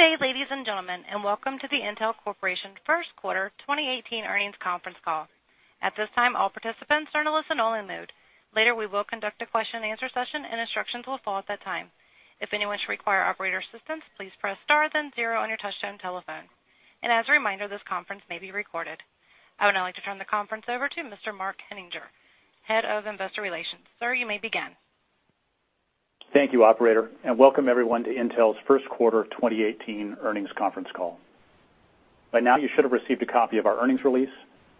Good day, ladies and gentlemen, and welcome to the Intel Corporation first quarter 2018 earnings conference call. At this time, all participants are in a listen-only mode. Later, we will conduct a question-and-answer session, and instructions will follow at that time. If anyone should require operator assistance, please press star then zero on your touchtone telephone. As a reminder, this conference may be recorded. I would now like to turn the conference over to Mr. Mark Henninger, Head of Investor Relations. Sir, you may begin. Thank you, operator, and welcome everyone to Intel's first quarter 2018 earnings conference call. By now, you should have received a copy of our earnings release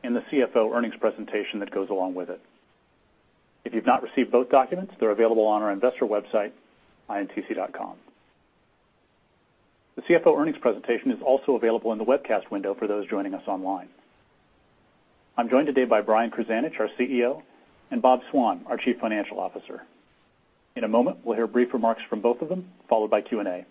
and the CFO earnings presentation that goes along with it. If you've not received both documents, they're available on our investor website, intc.com. The CFO earnings presentation is also available in the webcast window for those joining us online. I'm joined today by Brian Krzanich, our CEO, and Bob Swan, our Chief Financial Officer. In a moment, we'll hear brief remarks from both of them, followed by Q&A.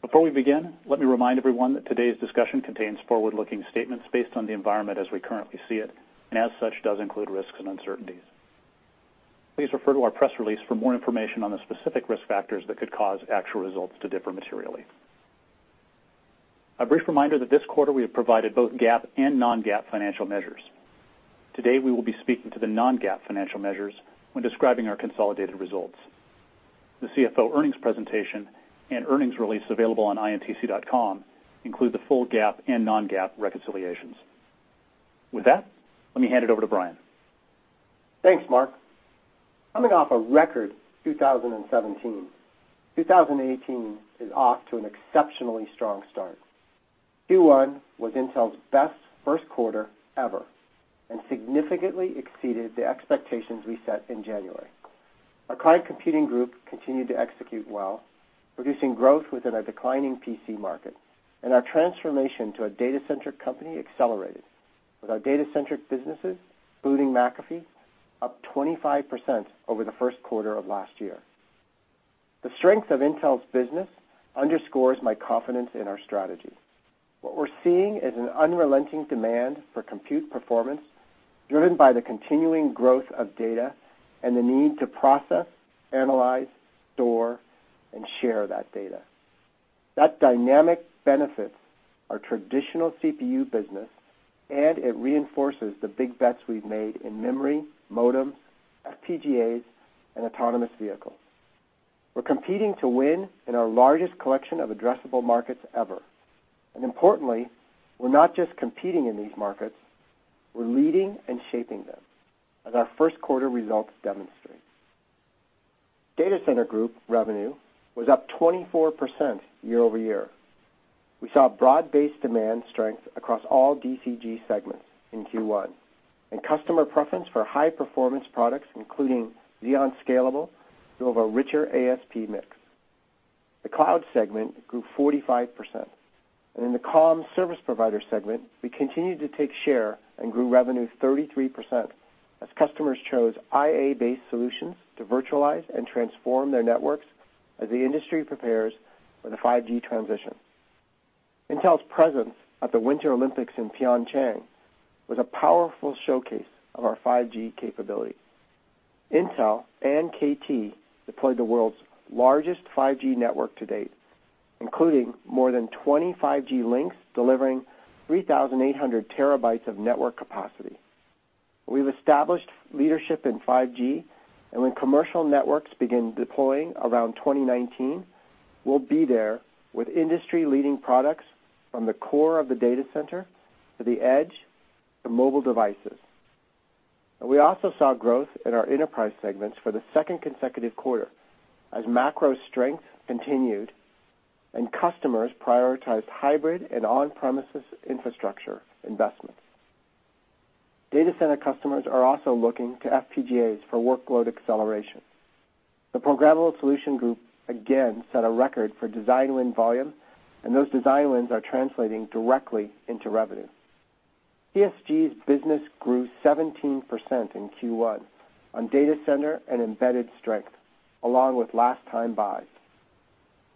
Before we begin, let me remind everyone that today's discussion contains forward-looking statements based on the environment as we currently see it, and as such, does include risks and uncertainties. Please refer to our press release for more information on the specific risk factors that could cause actual results to differ materially. A brief reminder that this quarter we have provided both GAAP and non-GAAP financial measures. Today, we will be speaking to the non-GAAP financial measures when describing our consolidated results. The CFO earnings presentation and earnings release available on intc.com include the full GAAP and non-GAAP reconciliations. With that, let me hand it over to Brian. Thanks, Mark. Coming off a record 2017, 2018 is off to an exceptionally strong start. Q1 was Intel's best first quarter ever and significantly exceeded the expectations we set in January. Our Client Computing Group continued to execute well, producing growth within a declining PC market, and our transformation to a data-centric company accelerated, with our data-centric businesses, including McAfee, up 25% over the first quarter of last year. The strength of Intel's business underscores my confidence in our strategy. What we're seeing is an unrelenting demand for compute performance driven by the continuing growth of data and the need to process, analyze, store, and share that data. That dynamic benefits our traditional CPU business, and it reinforces the big bets we've made in memory, modems, FPGAs, and autonomous vehicles. We're competing to win in our largest collection of addressable markets ever. Importantly, we're not just competing in these markets, we're leading and shaping them, as our first quarter results demonstrate. Data Center Group revenue was up 24% year-over-year. We saw broad-based demand strength across all DCG segments in Q1, and customer preference for high-performance products, including Xeon Scalable, drove a richer ASP mix. The cloud segment grew 45%, and in the comm service provider segment, we continued to take share and grew revenue 33% as customers chose IA-based solutions to virtualize and transform their networks as the industry prepares for the 5G transition. Intel's presence at the Winter Olympics in Pyeongchang was a powerful showcase of our 5G capability. Intel and KT deployed the world's largest 5G network to date, including more than 20 5G links delivering 3,800 terabytes of network capacity. We've established leadership in 5G. When commercial networks begin deploying around 2019, we'll be there with industry-leading products from the core of the data center to the edge to mobile devices. We also saw growth in our enterprise segments for the second consecutive quarter as macro strength continued and customers prioritized hybrid and on-premises infrastructure investments. Data center customers are also looking to FPGAs for workload acceleration. The Programmable Solutions Group again set a record for design win volume, and those design wins are translating directly into revenue. PSG's business grew 17% in Q1 on data center and embedded strength, along with last-time buys.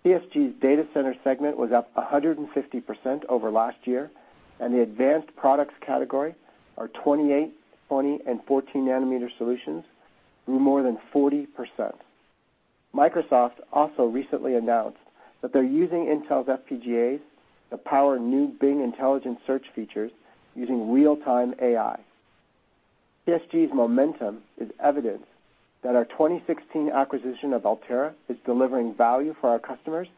PSG's data center segment was up 150% over last year, and the advanced products category, our 28, 20, and 14 nanometer solutions, grew more than 40%. Microsoft also recently announced that they're using Intel's FPGAs to power new Bing Intelligence Search features using real-time AI. PSG's momentum is evidence that our 2016 acquisition of Altera is delivering value for our customers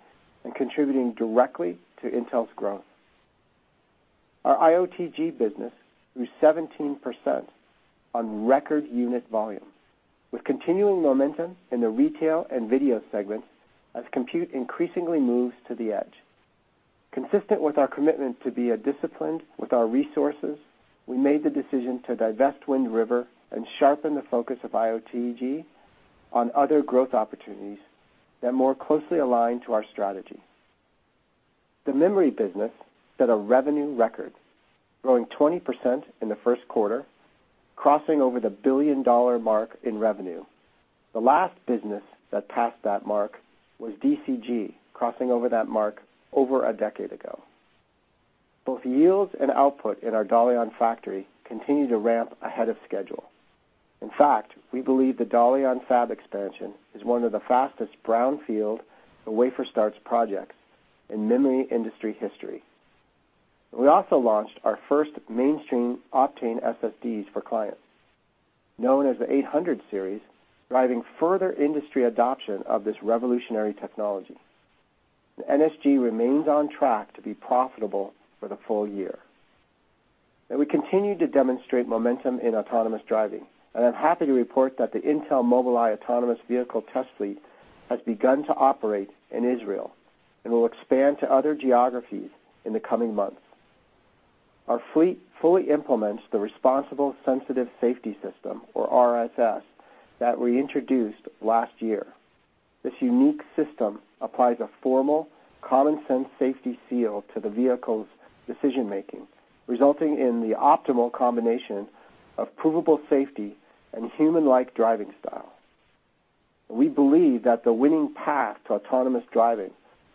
and contributing directly to Intel's growth. Our IOTG business grew 17% on record unit volume, with continuing momentum in the retail and video segments as compute increasingly moves to the edge. Consistent with our commitment to be disciplined with our resources, we made the decision to divest Wind River and sharpen the focus of IOTG on other growth opportunities that more closely align to our strategy. The memory business set a revenue record, growing 20% in the first quarter, crossing over the billion-dollar mark in revenue. The last business that passed that mark was DCG, crossing over that mark over a decade ago. Both yields and output in our Dalian factory continue to ramp ahead of schedule. In fact, we believe the Dalian fab expansion is one of the fastest brownfield wafer starts projects in memory industry history. We also launched our first mainstream Optane SSDs for clients, known as the 800 Series, driving further industry adoption of this revolutionary technology. NSG remains on track to be profitable for the full year. We continue to demonstrate momentum in autonomous driving, and I'm happy to report that the Intel Mobileye autonomous vehicle test fleet has begun to operate in Israel and will expand to other geographies in the coming months. Our fleet fully implements the Responsibility-Sensitive Safety system, or RSS, that we introduced last year. This unique system applies a formal common sense safety seal to the vehicle's decision-making, resulting in the optimal combination of provable safety and human-like driving style. We believe that the winning path to autonomous driving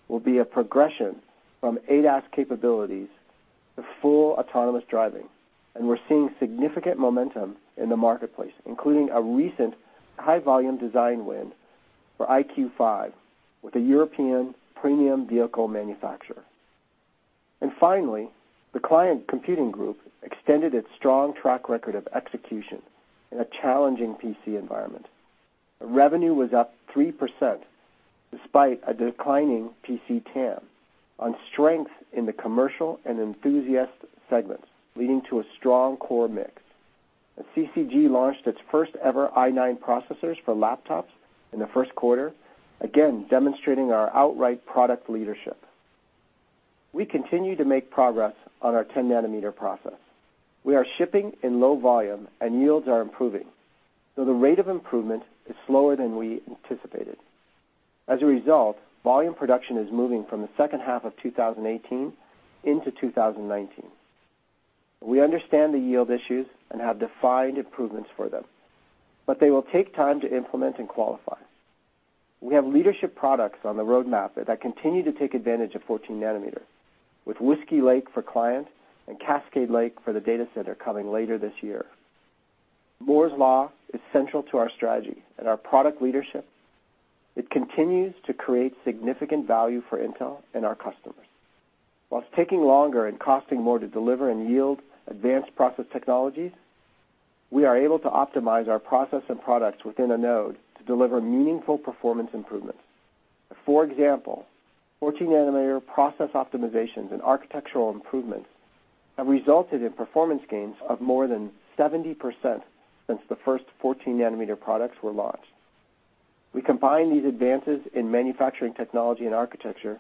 will be a progression from ADAS capabilities to full autonomous driving. We're seeing significant momentum in the marketplace, including a recent high-volume design win for EyeQ5 with a European premium vehicle manufacturer. Finally, the Client Computing Group extended its strong track record of execution in a challenging PC environment. Revenue was up 3%, despite a declining PC TAM, on strength in the commercial and enthusiast segments, leading to a strong core mix. CCG launched its first-ever i9 processors for laptops in the first quarter, again demonstrating our outright product leadership. We continue to make progress on our 10-nanometer process. We are shipping in low volume, and yields are improving, though the rate of improvement is slower than we anticipated. As a result, volume production is moving from the second half of 2018 into 2019. We understand the yield issues and have defined improvements for them. They will take time to implement and qualify. We have leadership products on the roadmap that continue to take advantage of 14-nanometer, with Whiskey Lake for client and Cascade Lake for the data center coming later this year. Moore's Law is central to our strategy and our product leadership. It continues to create significant value for Intel and our customers. While taking longer and costing more to deliver and yield advanced process technologies, we are able to optimize our process and products within a node to deliver meaningful performance improvements. For example, 14-nanometer process optimizations and architectural improvements have resulted in performance gains of more than 70% since the first 14-nanometer products were launched. We combine these advances in manufacturing technology and architecture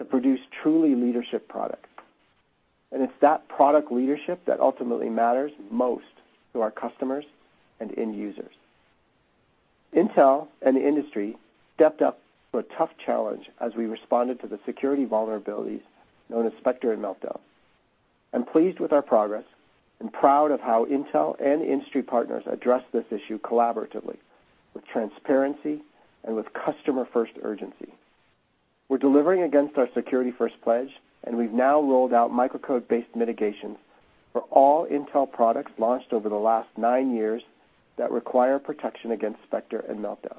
to produce truly leadership products. It's that product leadership that ultimately matters most to our customers and end users. Intel and the industry stepped up to a tough challenge as we responded to the security vulnerabilities known as Spectre and Meltdown. I'm pleased with our progress and proud of how Intel and industry partners addressed this issue collaboratively with transparency and with customer-first urgency. We're delivering against our security-first pledge. We've now rolled out microcode-based mitigations for all Intel products launched over the last nine years that require protection against Spectre and Meltdown.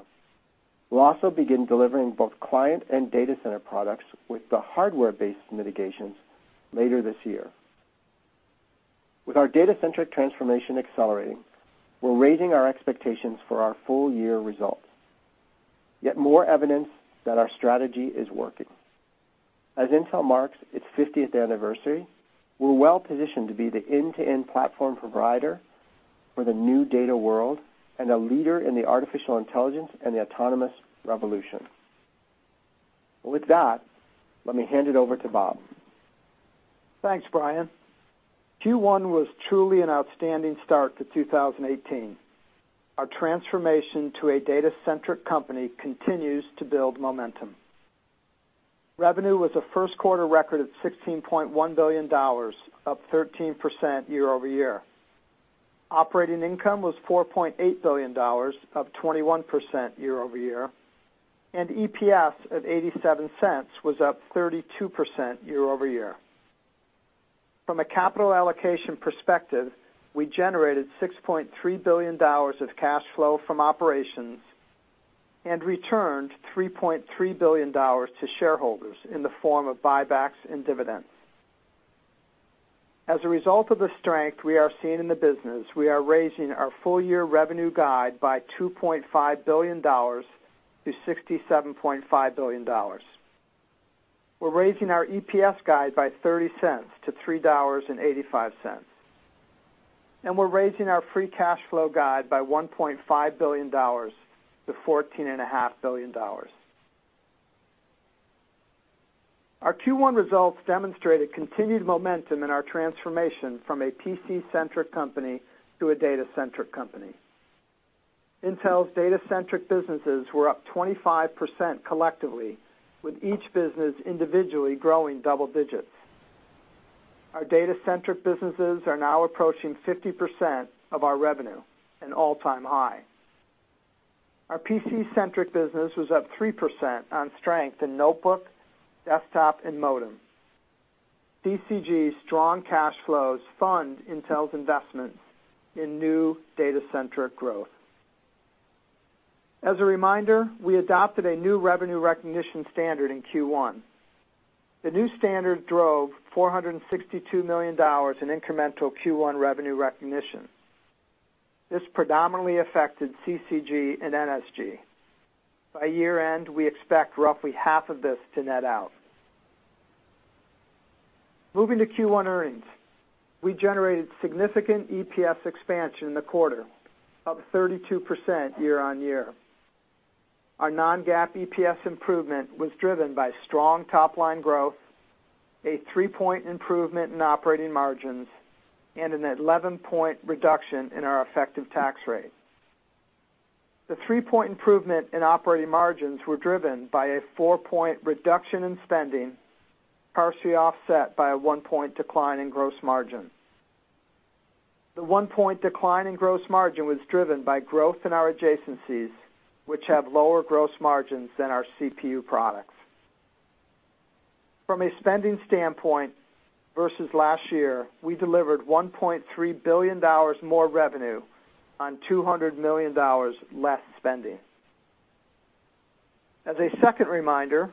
We'll also begin delivering both client and data center products with the hardware-based mitigations later this year. With our data-centric transformation accelerating, we're raising our expectations for our full-year results. Yet more evidence that our strategy is working. As Intel marks its 50th anniversary, we're well-positioned to be the end-to-end platform provider for the new data world and a leader in the artificial intelligence and the autonomous revolution. With that, let me hand it over to Bob. Thanks, Brian. Q1 was truly an outstanding start to 2018. Our transformation to a data-centric company continues to build momentum. Revenue was a first-quarter record of $16.1 billion, up 13% year-over-year. Operating income was $4.8 billion, up 21% year-over-year, and EPS of $0.87 was up 32% year-over-year. From a capital allocation perspective, we generated $6.3 billion of cash flow from operations and returned $3.3 billion to shareholders in the form of buybacks and dividends. As a result of the strength we are seeing in the business, we are raising our full-year revenue guide by $2.5 billion to $67.5 billion. We're raising our EPS guide by $0.30 to $3.85. We're raising our free cash flow guide by $1.5 billion to $14.5 billion. Our Q1 results demonstrated continued momentum in our transformation from a PC-centric company to a data-centric company. Intel's data-centric businesses were up 25% collectively, with each business individually growing double digits. Our data-centric businesses are now approaching 50% of our revenue, an all-time high. Our PC-centric business was up 3% on strength in notebook, desktop, and modem. DCG's strong cash flows fund Intel's investments in new data-centric growth. As a reminder, we adopted a new revenue recognition standard in Q1. The new standard drove $462 million in incremental Q1 revenue recognition. This predominantly affected CCG and NSG. By year-end, we expect roughly half of this to net out. Moving to Q1 earnings, we generated significant EPS expansion in the quarter, up 32% year-on-year. Our non-GAAP EPS improvement was driven by strong top-line growth, a three-point improvement in operating margins, and an 11-point reduction in our effective tax rate. The three-point improvement in operating margins were driven by a four-point reduction in spending, partially offset by a one-point decline in gross margin. The one-point decline in gross margin was driven by growth in our adjacencies, which have lower gross margins than our CPU products. From a spending standpoint versus last year, we delivered $1.3 billion more revenue on $200 million less spending. As a second reminder,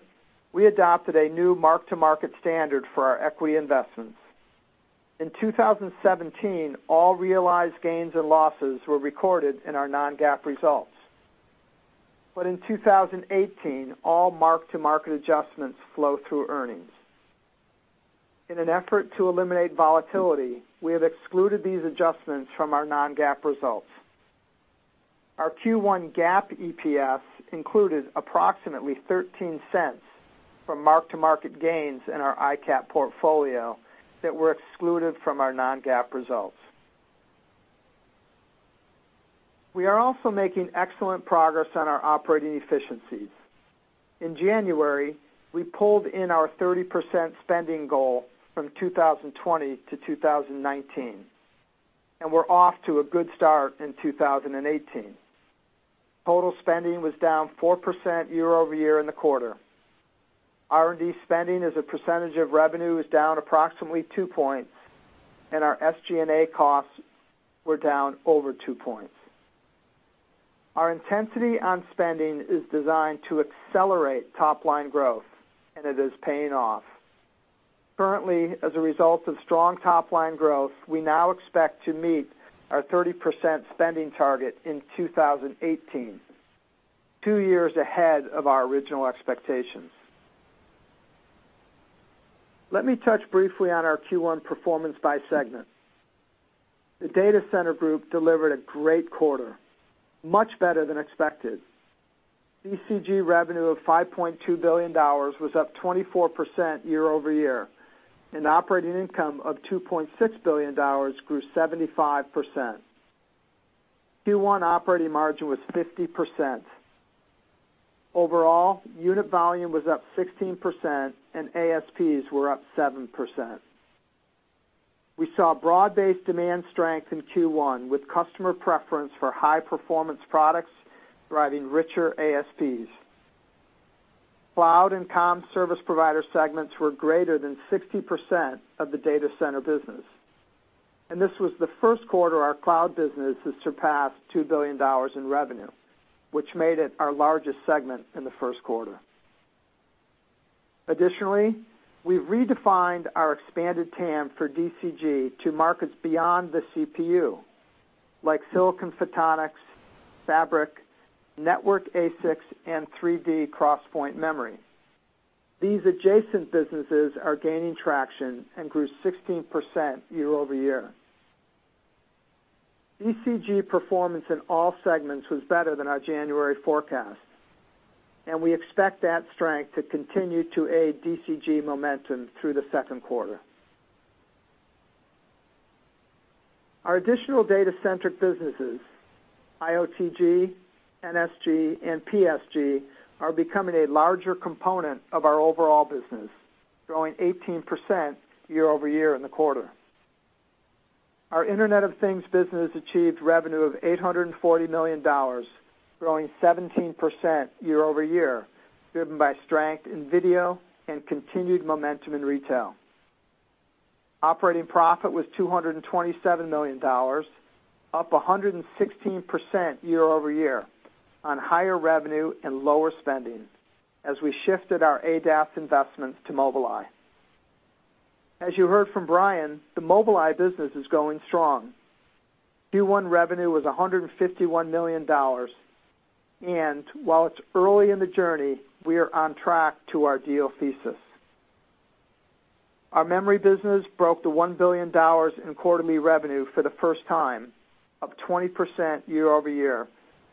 we adopted a new mark-to-market standard for our equity investments. In 2017, all realized gains and losses were recorded in our non-GAAP results. In 2018, all mark-to-market adjustments flow through earnings. In an effort to eliminate volatility, we have excluded these adjustments from our non-GAAP results. Our Q1 GAAP EPS included approximately $0.13 from mark-to-market gains in our ICAP portfolio that were excluded from our non-GAAP results. We are also making excellent progress on our operating efficiencies. In January, we pulled in our 30% spending goal from 2020 to 2019. We're off to a good start in 2018. Total spending was down 4% year-over-year in the quarter. R&D spending as a percentage of revenue is down approximately two points, and our SG&A costs were down over two points. Our intensity on spending is designed to accelerate top-line growth. It is paying off. Currently, as a result of strong top-line growth, we now expect to meet our 30% spending target in 2018, two years ahead of our original expectations. Let me touch briefly on our Q1 performance by segment. The Data Center Group delivered a great quarter, much better than expected. DCG revenue of $5.2 billion was up 24% year-over-year, and operating income of $2.6 billion grew 75%. Q1 operating margin was 50%. Overall, unit volume was up 16%, and ASPs were up 7%. We saw broad-based demand strength in Q1 with customer preference for high-performance products driving richer ASPs. Cloud and comm service provider segments were greater than 60% of the data center business, and this was the first quarter our cloud business has surpassed $2 billion in revenue, which made it our largest segment in the first quarter. Additionally, we've redefined our expanded TAM for DCG to markets beyond the CPU, like silicon photonics, fabric, network ASICs, and 3D XPoint memory. These adjacent businesses are gaining traction and grew 16% year-over-year. DCG performance in all segments was better than our January forecast, and we expect that strength to continue to aid DCG momentum through the second quarter. Our additional data-centric businesses, IOTG, NSG, and PSG, are becoming a larger component of our overall business, growing 18% year-over-year in the quarter. Our Internet of Things business achieved revenue of $840 million, growing 17% year-over-year, driven by strength in video and continued momentum in retail. Operating profit was $227 million, up 116% year-over-year on higher revenue and lower spending as we shifted our ADAS investments to Mobileye. As you heard from Brian, the Mobileye business is going strong. Q1 revenue was $151 million, and while it's early in the journey, we are on track to our deal thesis. Our memory business broke the $1 billion in quarterly revenue for the first time, up 20% year-over-year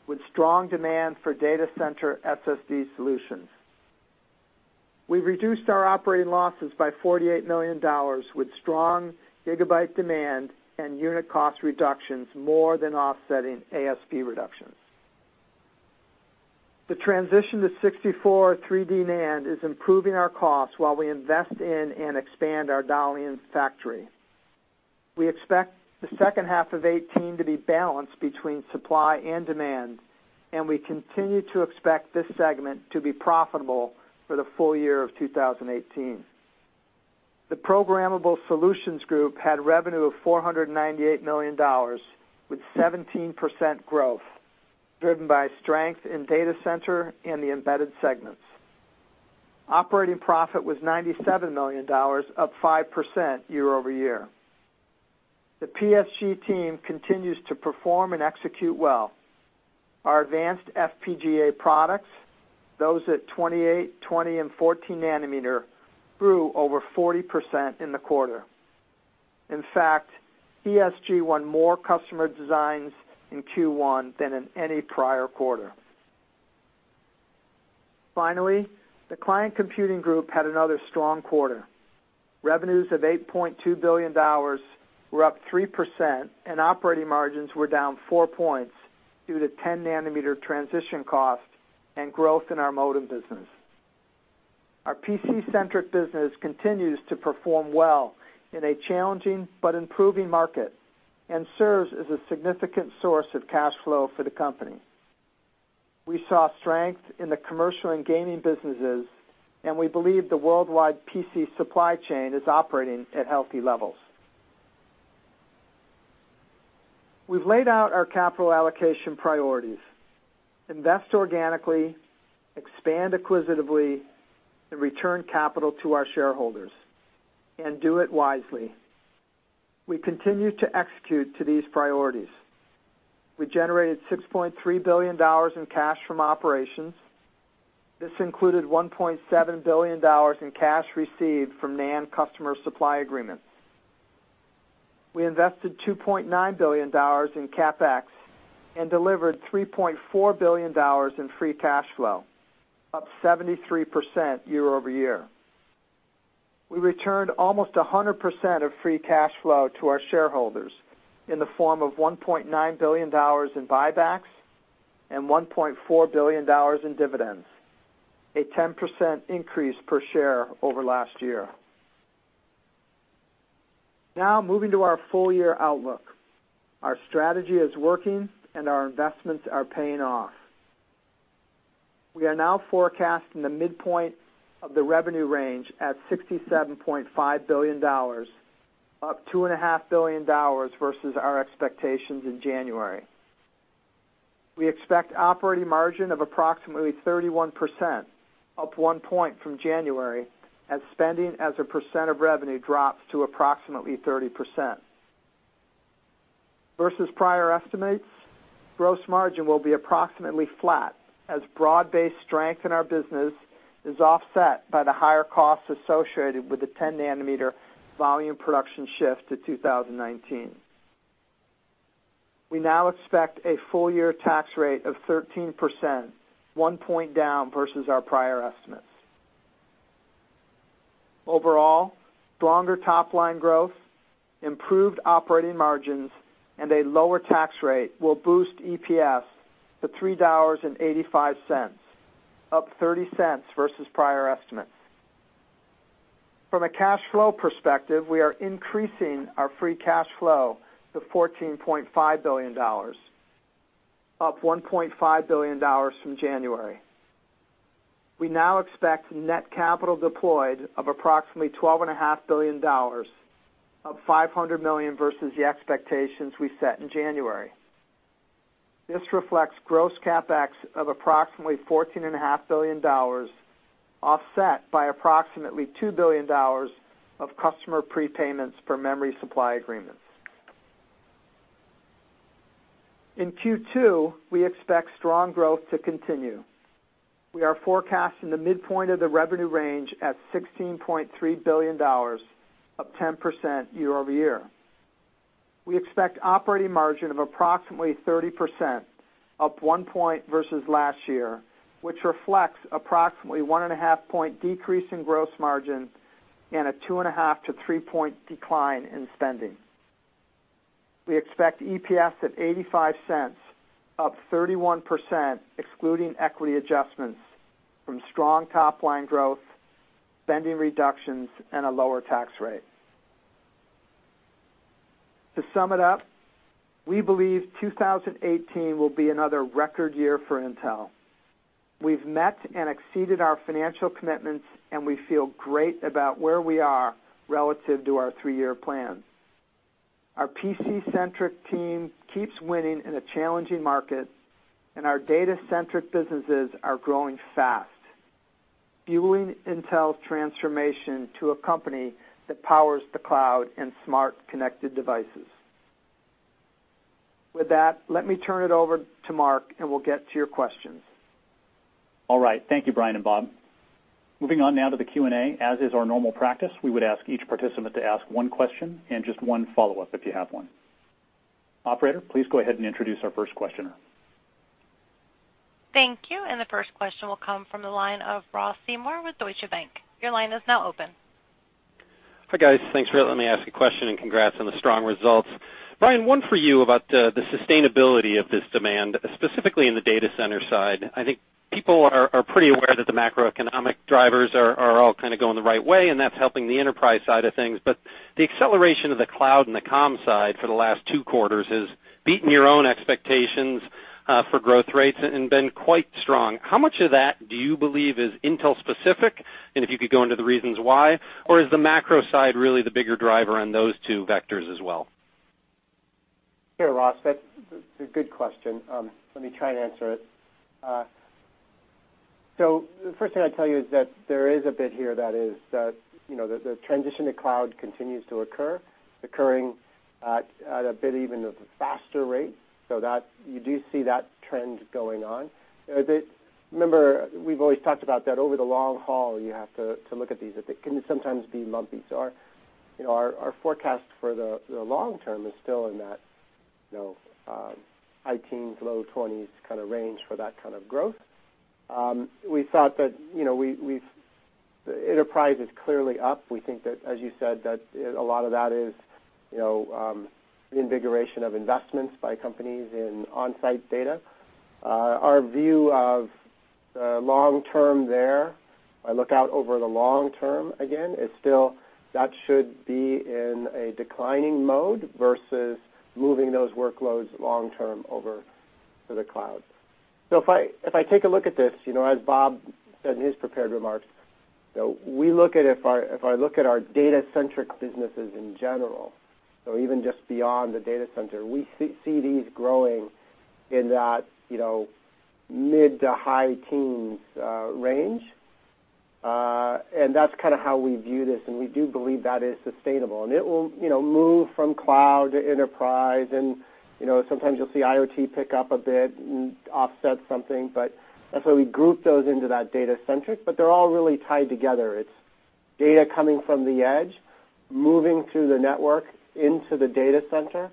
with strong demand for data center SSD solutions. We've reduced our operating losses by $48 million with strong gigabyte demand and unit cost reductions more than offsetting ASP reductions. The transition to 64 3D NAND is improving our costs while we invest in and expand our Dalian factory. We expect the second half of 2018 to be balanced between supply and demand, and we continue to expect this segment to be profitable for the full year of 2018. The Programmable Solutions Group had revenue of $498 million, with 17% growth driven by strength in data center and the embedded segments. Operating profit was $97 million, up 5% year-over-year. The PSG team continues to perform and execute well. Our advanced FPGA products, those at 28, 20, and 14 nanometer, grew over 40% in the quarter. In fact, PSG won more customer designs in Q1 than in any prior quarter. Finally, the Client Computing Group had another strong quarter. Revenues of $8.2 billion were up 3%, and operating margins were down four points due to 10 nanometer transition costs and growth in our modem business. Our PC-centric business continues to perform well in a challenging but improving market and serves as a significant source of cash flow for the company. We saw strength in the commercial and gaming businesses, and we believe the worldwide PC supply chain is operating at healthy levels. We've laid out our capital allocation priorities, invest organically, expand acquisitively, and return capital to our shareholders, and do it wisely. We continue to execute to these priorities. We generated $6.3 billion in cash from operations. This included $1.7 billion in cash received from NAND customer supply agreements. We invested $2.9 billion in CapEx and delivered $3.4 billion in free cash flow, up 73% year-over-year. We returned almost 100% of free cash flow to our shareholders in the form of $1.9 billion in buybacks and $1.4 billion in dividends, a 10% increase per share over last year. Moving to our full-year outlook. Our strategy is working, and our investments are paying off. We are now forecasting the midpoint of the revenue range at $67.5 billion, up $2.5 billion versus our expectations in January. We expect operating margin of approximately 31%, up 1 point from January, as spending as a percent of revenue drops to approximately 30%. Versus prior estimates, gross margin will be approximately flat as broad-based strength in our business is offset by the higher costs associated with the 10 nanometer volume production shift to 2019. We now expect a full-year tax rate of 13%, 1 point down versus our prior estimates. Overall, stronger top-line growth, improved operating margins, and a lower tax rate will boost EPS to $3.85, up $0.30 versus prior estimates. From a cash flow perspective, we are increasing our free cash flow to $14.5 billion, up $1.5 billion from January. We now expect net capital deployed of approximately $12.5 billion, up $500 million versus the expectations we set in January. This reflects gross CapEx of approximately $14.5 billion, offset by approximately $2 billion of customer prepayments for memory supply agreements. In Q2, we expect strong growth to continue. We are forecasting the midpoint of the revenue range at $16.3 billion, up 10% year-over-year. We expect operating margin of approximately 30%, up 1 point versus last year, which reflects approximately 1.5-point decrease in gross margin and a 2.5-3-point decline in spending. We expect EPS at $0.85, up 31%, excluding equity adjustments, from strong top-line growth, spending reductions, and a lower tax rate. To sum it up, we believe 2018 will be another record year for Intel. We've met and exceeded our financial commitments, and we feel great about where we are relative to our three-year plan. Our PC-centric team keeps winning in a challenging market, and our data-centric businesses are growing fast, fueling Intel's transformation to a company that powers the cloud and smart connected devices. With that, let me turn it over to Mark. We'll get to your questions. All right. Thank you, Brian and Bob. Moving on now to the Q&A. As is our normal practice, we would ask each participant to ask one question and just one follow-up if you have one. Operator, please go ahead and introduce our first questioner. Thank you. The first question will come from the line of Ross Seymore with Deutsche Bank. Your line is now open. Hi, guys. Thanks for letting me ask a question and congrats on the strong results. Brian, one for you about the sustainability of this demand, specifically in the data center side. I think people are pretty aware that the macroeconomic drivers are all kind of going the right way, and that's helping the enterprise side of things, but the acceleration of the cloud and the comm side for the last two quarters has beaten your own expectations for growth rates and been quite strong. How much of that do you believe is Intel specific, and if you could go into the reasons why, or is the macro side really the bigger driver on those two vectors as well? Sure, Ross. That's a good question. Let me try and answer it. The first thing I'd tell you is that there is a bit here that is the transition to cloud continues to occur, occurring at a bit even a faster rate, you do see that trend going on a bit. Remember, we've always talked about that over the long haul, you have to look at these. They can sometimes be lumpy. Our forecast for the long term is still in that high teens, low 20s kind of range for that kind of growth. We thought that the enterprise is clearly up. We think that, as you said, that a lot of that is the invigoration of investments by companies in on-site data. Our view of the long term there, I look out over the long term again, is still that should be in a declining mode versus moving those workloads long term over to the cloud. If I take a look at this, as Bob said in his prepared remarks, if I look at our data-centric businesses in general, even just beyond the data center, we see these growing in that mid to high teens range. That's kind of how we view this, and we do believe that is sustainable. It will move from cloud to enterprise, and sometimes you'll see IoT pick up a bit and offset something. That's why we group those into that data-centric. They're all really tied together. It's data coming from the edge, moving through the network into the data center,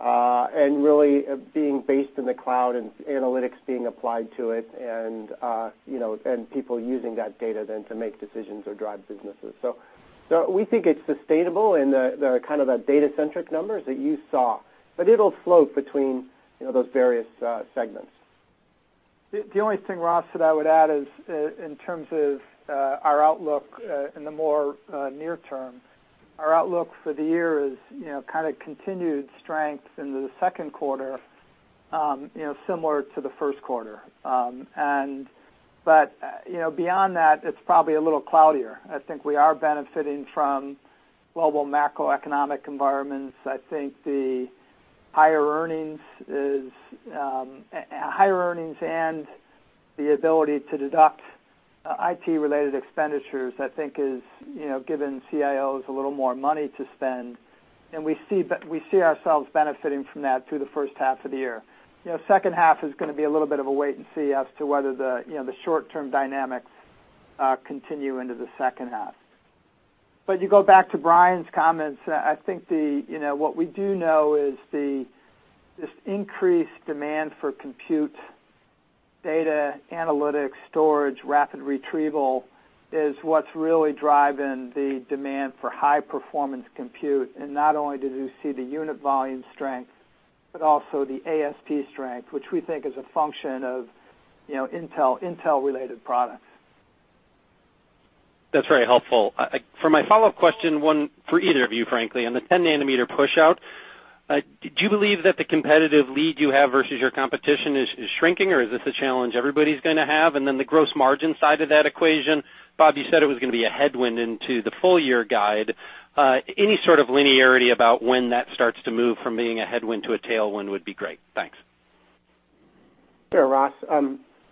and really being based in the cloud and analytics being applied to it, and people using that data then to make decisions or drive businesses. We think it's sustainable in the kind of that data-centric numbers that you saw. It'll float between those various segments. The only thing, Ross, that I would add is in terms of our outlook in the more near term, our outlook for the year is kind of continued strength into the second quarter, similar to the first quarter. Beyond that, it's probably a little cloudier. I think we are benefiting from global macroeconomic environments. I think the higher earnings and the ability to deduct IT-related expenditures, I think is given CIOs a little more money to spend. We see ourselves benefiting from that through the first half of the year. Second half is going to be a little bit of a wait and see as to whether the short-term dynamics continue into the second half. You go back to Brian's comments, I think what we do know is this increased demand for compute data analytics, storage, rapid retrieval is what's really driving the demand for high-performance compute. Not only do you see the unit volume strength, but also the ASP strength, which we think is a function of Intel-related products. That's very helpful. For my follow-up question, one for either of you, frankly, on the 10 nanometer pushout, do you believe that the competitive lead you have versus your competition is shrinking, or is this a challenge everybody's going to have? Then the gross margin side of that equation. Bob, you said it was going to be a headwind into the full year guide. Any sort of linearity about when that starts to move from being a headwind to a tailwind would be great. Thanks. Sure, Ross.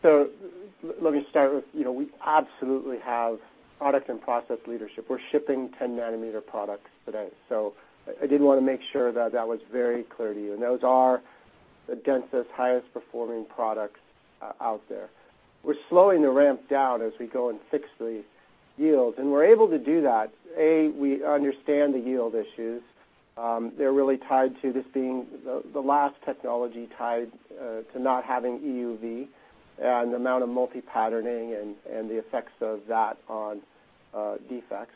Let me start with, we absolutely have product and process leadership. We're shipping 10 nanometer products today. I did want to make sure that that was very clear to you. Those are the densest, highest performing products out there. We're slowing the ramp down as we go and fix the yields, and we're able to do that. We understand the yield issues. They're really tied to this being the last technology tied to not having EUV and the amount of multi-patterning and the effects of that on defects.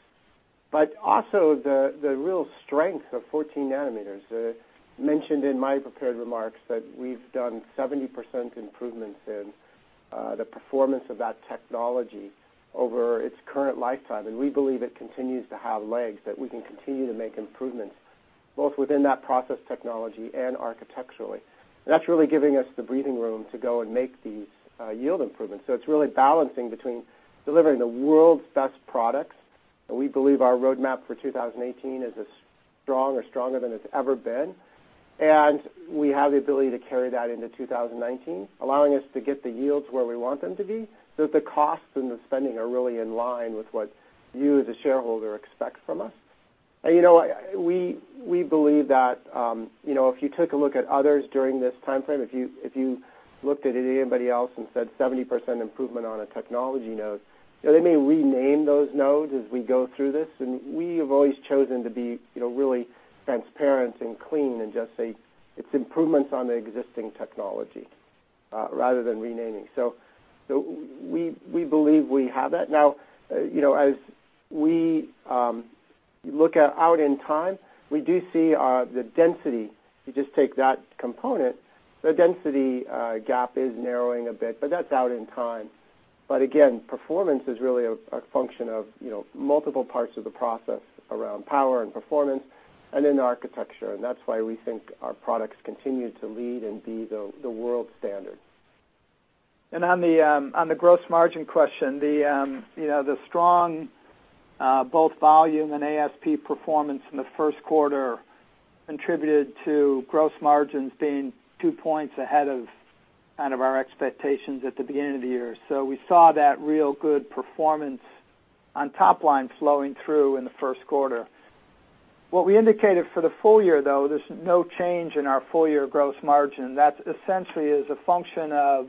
Also the real strength of 14 nanometers. I mentioned in my prepared remarks that we've done 70% improvements in the performance of that technology over its current lifetime, and we believe it continues to have legs, that we can continue to make improvements both within that process technology and architecturally. That's really giving us the breathing room to go and make these yield improvements. It's really balancing between delivering the world's best products, and we believe our roadmap for 2018 is as strong or stronger than it's ever been. We have the ability to carry that into 2019, allowing us to get the yields where we want them to be, so that the cost and the spending are really in line with what you as a shareholder expect from us. We believe that if you took a look at others during this time frame, if you looked at anybody else and said 70% improvement on a technology node, they may rename those nodes as we go through this. We have always chosen to be really transparent and clean and just say it's improvements on the existing technology. Rather than renaming. We believe we have that now. As we look out in time, we do see the density. You just take that component, the density gap is narrowing a bit, but that's out in time. Again, performance is really a function of multiple parts of the process around power and performance and in architecture, and that's why we think our products continue to lead and be the world standard. On the gross margin question, the strong both volume and ASP performance in the first quarter contributed to gross margins being two points ahead of our expectations at the beginning of the year. We saw that real good performance on top line flowing through in the first quarter. What we indicated for the full year, though, there's no change in our full-year gross margin. That essentially is a function of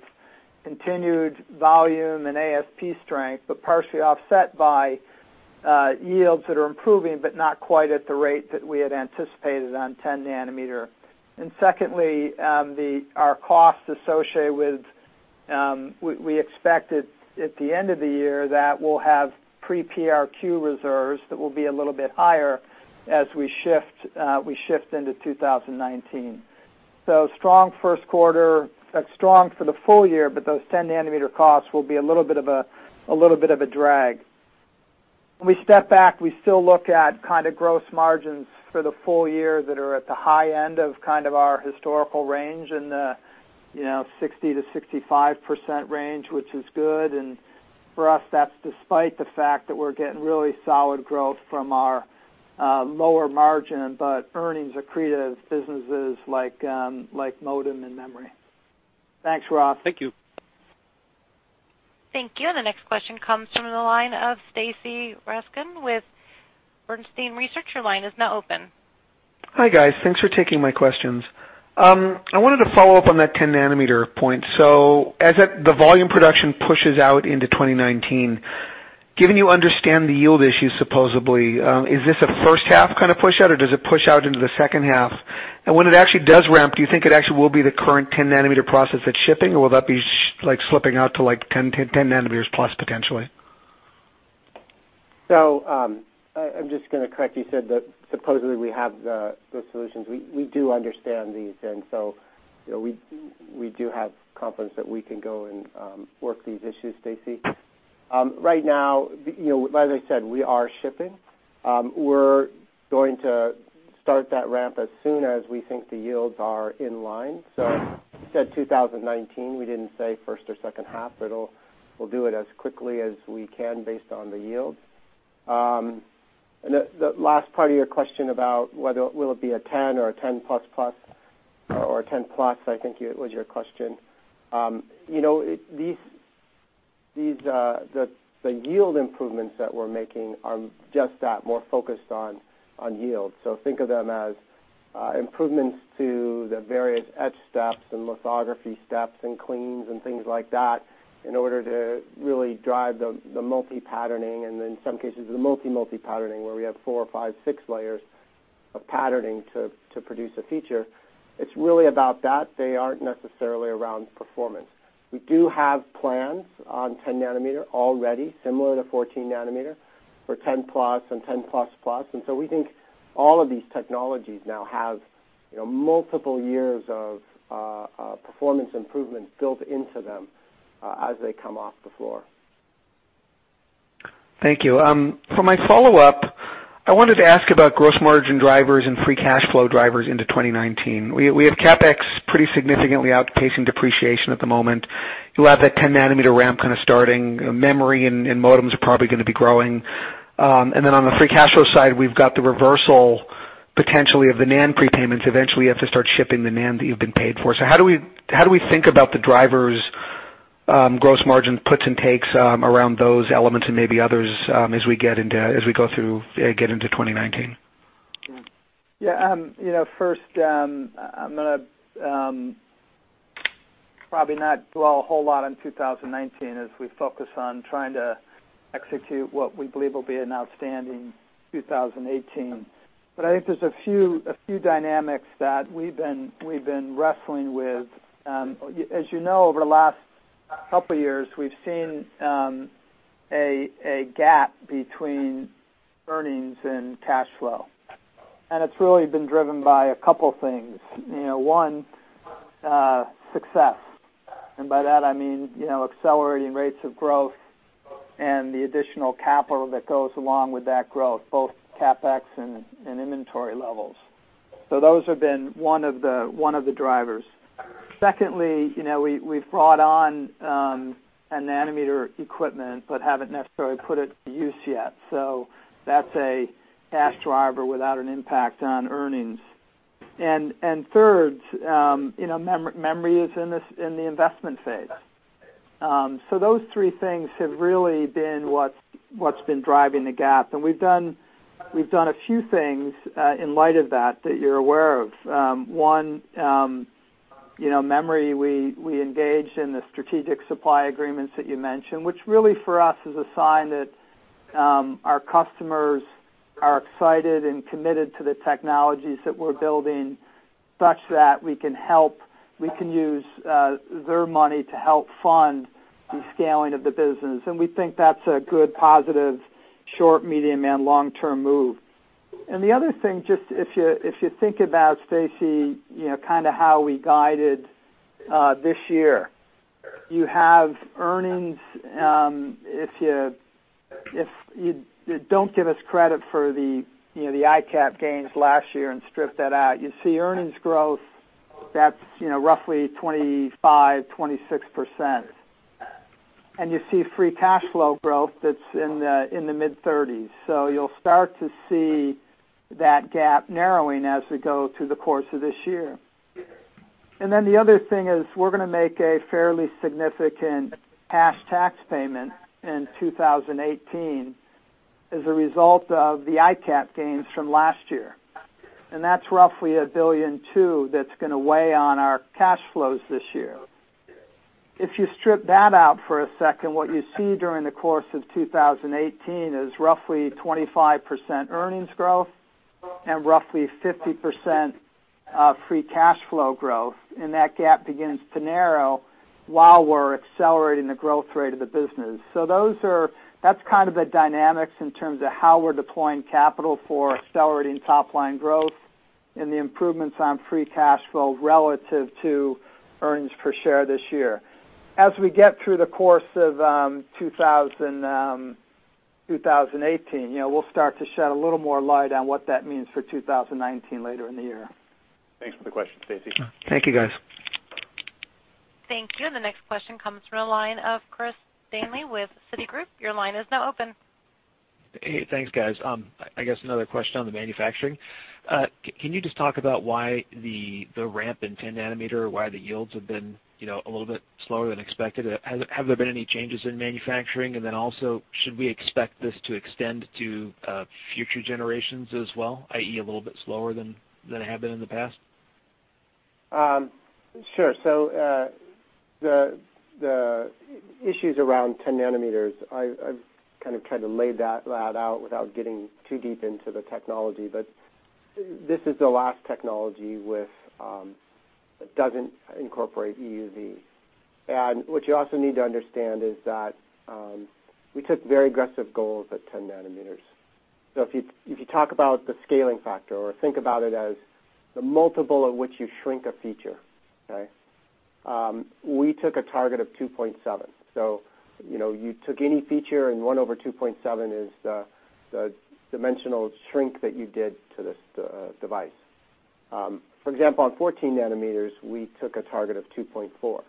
continued volume and ASP strength, but partially offset by yields that are improving, but not quite at the rate that we had anticipated on 10 nanometer. Secondly, we expect at the end of the year that we'll have pre-PRQ reserves that will be a little bit higher as we shift into 2019. Strong first quarter, strong for the full year, but those 10-nanometer costs will be a little bit of a drag. When we step back, we still look at kind of gross margins for the full year that are at the high end of kind of our historical range in the 60%-65% range, which is good. For us, that's despite the fact that we're getting really solid growth from our lower margin, but earnings accretive businesses like modem and memory. Thanks, Bob. Thank you. Thank you. The next question comes from the line of Stacy Rasgon with Bernstein Research. Your line is now open. Hi, guys. Thanks for taking my questions. I wanted to follow up on that 10-nanometer point. As the volume production pushes out into 2019, given you understand the yield issue supposedly, is this a first half kind of push out, or does it push out into the second half? When it actually does ramp, do you think it actually will be the current 10-nanometer process that's shipping, or will that be slipping out to 10 nanometers plus potentially? I'm just going to correct, you said that supposedly we have the solutions. We do understand these, we do have confidence that we can go and work these issues, Stacy. Right now, as I said, we are shipping. We're going to start that ramp as soon as we think the yields are in line. You said 2019, we didn't say first or second half, but we'll do it as quickly as we can based on the yields. The last part of your question about whether will it be a 10 or a 10 plus plus or a 10 plus, I think was your question. The yield improvements that we're making are just that, more focused on yield. Think of them as improvements to the various etch steps and lithography steps and cleans and things like that in order to really drive the multi-patterning and in some cases the multi-multi-patterning, where we have four, five, six layers of patterning to produce a feature. It's really about that. They aren't necessarily around performance. We do have plans on 10 nanometer already, similar to 14 nanometer, for 10 plus and 10 plus plus. We think all of these technologies now have multiple years of performance improvements built into them as they come off the floor. Thank you. For my follow-up, I wanted to ask about gross margin drivers and free cash flow drivers into 2019. We have CapEx pretty significantly outpacing depreciation at the moment. You have that 10-nanometer ramp kind of starting. Memory and modems are probably going to be growing. On the free cash flow side, we've got the reversal, potentially, of the NAND prepayments. Eventually, you have to start shipping the NAND that you've been paid for. How do we think about the drivers gross margin puts and takes around those elements and maybe others as we go through, get into 2019? Yeah. First, I'm going to probably not dwell a whole lot on 2019 as we focus on trying to execute what we believe will be an outstanding 2018. I think there's a few dynamics that we've been wrestling with. As you know, over the last couple of years, we've seen a gap between earnings and cash flow, it's really been driven by a couple things. One, success. By that, I mean accelerating rates of growth and the additional capital that goes along with that growth, both CapEx and inventory levels. Those have been one of the drivers. Secondly, we've brought on a nanometer equipment but haven't necessarily put it to use yet. That's a cash driver without an impact on earnings. Third, memory is in the investment phase. Those three things have really been what's been driving the gap. We've done a few things in light of that you're aware of. One, memory, we engaged in the strategic supply agreements that you mentioned, which really, for us, is a sign that our customers are excited and committed to the technologies that we're building such that we can use their money to help fund the scaling of the business, and we think that's a good, positive, short, medium, and long-term move. The other thing, just if you think about, Stacy, kind of how we guided this year. You have earnings, if you don't give us credit for the ICAP gains last year and strip that out, you'd see earnings growth that's roughly 25%-26%. You see free cash flow growth that's in the mid-30s. You'll start to see that gap narrowing as we go through the course of this year. The other thing is we're going to make a fairly significant cash tax payment in 2018 as a result of the ICAP gains from last year. That's roughly $1.2 billion that's going to weigh on our cash flows this year. If you strip that out for a second, what you see during the course of 2018 is roughly 25% earnings growth and roughly 50% free cash flow growth, and that gap begins to narrow while we're accelerating the growth rate of the business. That's kind of the dynamics in terms of how we're deploying capital for accelerating top-line growth and the improvements on free cash flow relative to earnings per share this year. As we get through the course of 2018, we'll start to shed a little more light on what that means for 2019 later in the year. Thanks for the question, Stacy. Thank you, guys. Thank you. The next question comes from the line of Chris Danely with Citigroup. Your line is now open. Hey, thanks guys. I guess another question on the manufacturing. Can you just talk about why the ramp in 10 nanometer, why the yields have been a little bit slower than expected? Have there been any changes in manufacturing, also should we expect this to extend to future generations as well, i.e., a little bit slower than it have been in the past? Sure. The issues around 10 nanometers, I've kind of tried to lay that out without getting too deep into the technology, this is the last technology that doesn't incorporate EUV. What you also need to understand is that we took very aggressive goals at 10 nanometers. If you talk about the scaling factor or think about it as the multiple at which you shrink a feature, okay? We took a target of 2.7. You took any feature and one over 2.7 is the dimensional shrink that you did to this device. For example, on 14 nanometers, we took a target of 2.4,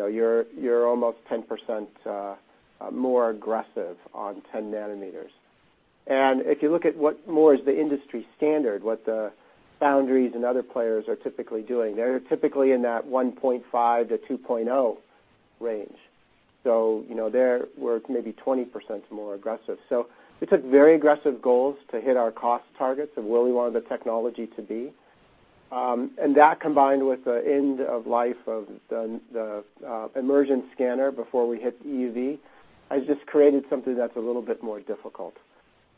you're almost 10% more aggressive on 10 nanometers. If you look at what more is the industry standard, what the foundries and other players are typically doing, they're typically in that 1.5 to 2.0 range. There, we're maybe 20% more aggressive. We took very aggressive goals to hit our cost targets of where we wanted the technology to be. That combined with the end of life of the immersion scanner before we hit EUV, has just created something that's a little bit more difficult.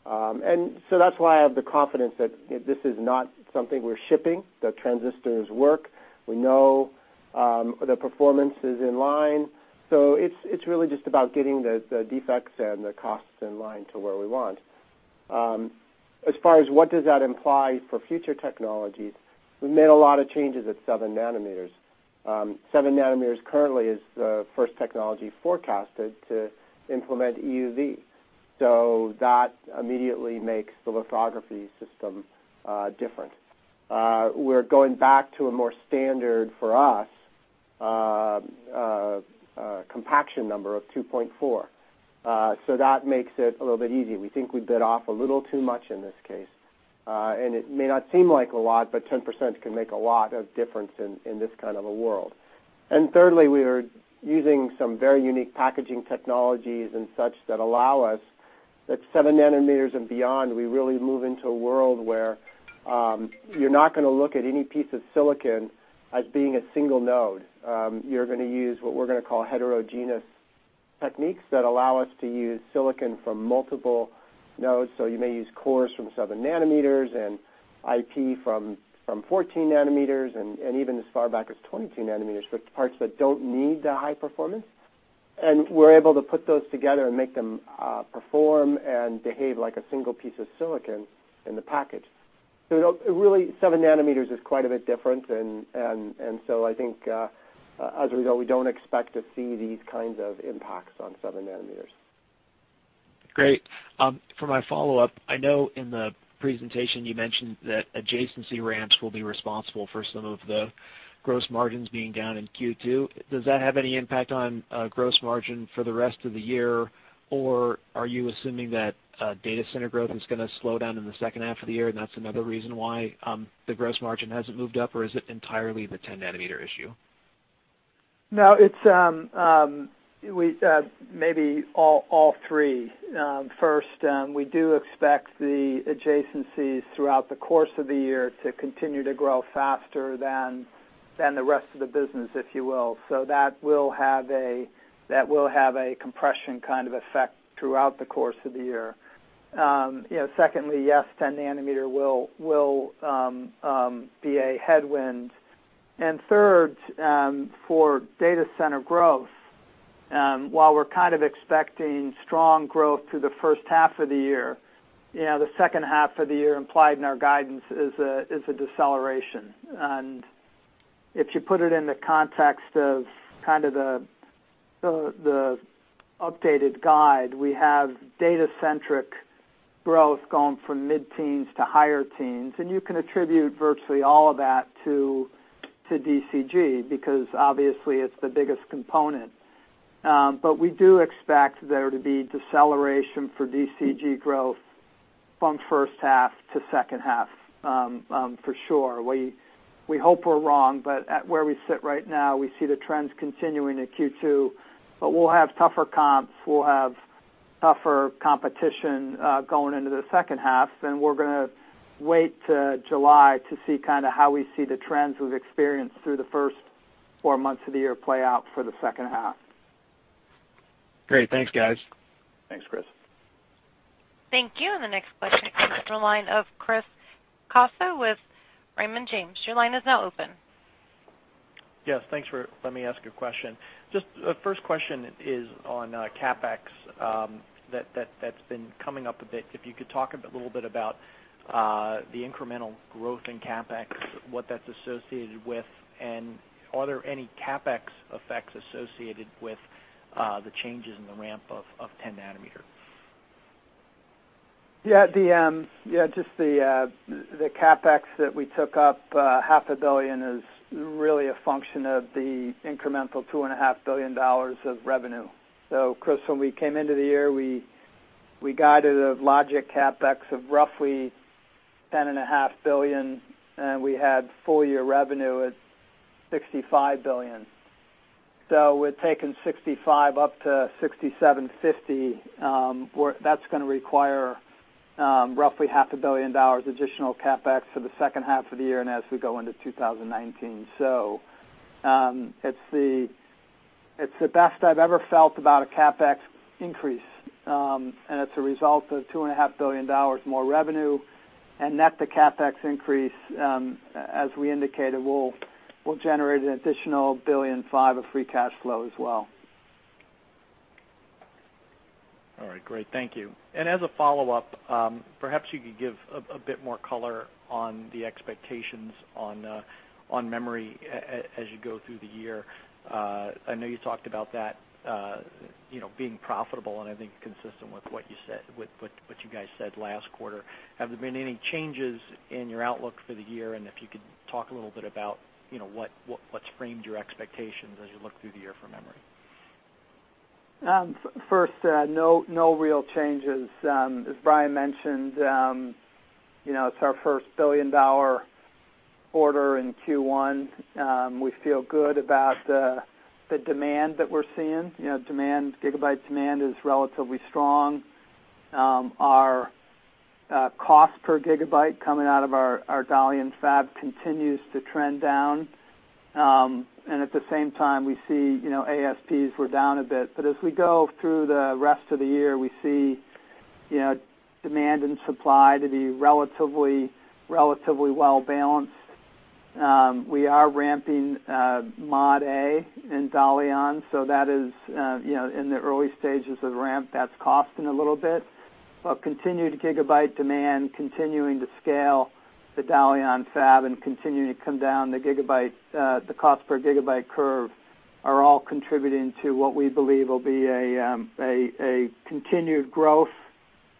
That's why I have the confidence that this is not something we're shipping. The transistors work. We know the performance is in line. It's really just about getting the defects and the costs in line to where we want. As far as what does that imply for future technologies, we made a lot of changes at seven nanometers. Seven nanometers currently is the first technology forecasted to implement EUV, so that immediately makes the lithography system different. We're going back to a more standard for us, a compaction number of 2.4. That makes it a little bit easier. We think we bit off a little too much in this case. It may not seem like a lot, but 10% can make a lot of difference in this kind of a world. Thirdly, we are using some very unique packaging technologies and such that allow us, at seven nanometers and beyond, we really move into a world where you're not going to look at any piece of silicon as being a single node. You're going to use what we're going to call heterogeneous techniques that allow us to use silicon from multiple nodes. You may use cores from seven nanometers and IP from 14 nanometers and even as far back as 22 nanometers for parts that don't need the high performance. We're able to put those together and make them perform and behave like a single piece of silicon in the package. Really, seven nanometers is quite a bit different, and I think as a result, we don't expect to see these kinds of impacts on seven nanometers. Great. For my follow-up, I know in the presentation you mentioned that adjacency ramps will be responsible for some of the gross margins being down in Q2. Does that have any impact on gross margin for the rest of the year, or are you assuming that data center growth is going to slow down in the second half of the year and that's another reason why the gross margin hasn't moved up, or is it entirely the 10 nanometer issue? No. It's maybe all three. First, we do expect the adjacencies throughout the course of the year to continue to grow faster than the rest of the business, if you will. That will have a compression kind of effect throughout the course of the year. Secondly, yes, 10 nanometer will be a headwind. Third, for Data Center Group growth, while we're kind of expecting strong growth through the first half of the year, the second half of the year implied in our guidance is a deceleration. If you put it in the context of the updated guide, we have data-centric growth going from mid-teens to higher teens, and you can attribute virtually all of that to DCG because obviously it's the biggest component. We do expect there to be deceleration for DCG growth from first half to second half, for sure. We hope we're wrong, where we sit right now, we see the trends continuing in Q2, we'll have tougher comps, we'll have tougher competition, going into the second half, we're going to wait to July to see how we see the trends we've experienced through the first four months of the year play out for the second half. Great. Thanks, guys. Thanks, Chris. Thank you. The next question comes from the line of Chris Caso with Raymond James. Your line is now open. Yes, thanks for letting me ask a question. Just a first question is on CapEx. That's been coming up a bit. If you could talk a little bit about the incremental growth in CapEx, what that's associated with, and are there any CapEx effects associated with the changes in the ramp of 10 nanometer? Yeah, just the CapEx that we took up, half a billion, is really a function of the incremental $2.5 billion of revenue. Chris, when we came into the year, we guided a logic CapEx of roughly $10.5 billion, and we had full-year revenue at $65 billion. We've taken $65 billion up to $67.5 billion, that's going to require roughly half a billion dollars additional CapEx for the second half of the year and as we go into 2019. It's the best I've ever felt about a CapEx increase. It's a result of $2.5 billion more revenue, and net the CapEx increase, as we indicated, we'll generate an additional $1.5 billion of free cash flow as well. All right, great. Thank you. As a follow-up, perhaps you could give a bit more color on the expectations on memory as you go through the year. I know you talked about that being profitable and I think consistent with what you guys said last quarter. Have there been any changes in your outlook for the year? If you could talk a little bit about what's framed your expectations as you look through the year for memory. First, no real changes. As Brian mentioned, it's our first billion-dollar quarter in Q1. We feel good about the demand that we're seeing. Gigabyte demand is relatively strong. Our cost per gigabyte coming out of our Dalian fab continues to trend down. At the same time, we see ASPs were down a bit, but as we go through the rest of the year, we see demand and supply to be relatively well-balanced. We are ramping Mod A in Dalian, so that is in the early stages of ramp. That's costing a little bit. Continued gigabyte demand, continuing to scale the Dalian fab, and continuing to come down the cost per gigabyte curve are all contributing to what we believe will be a continued growth